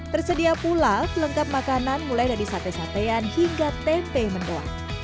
tersedia pula pelengkap makanan mulai dari sate satean hingga tempe mendoa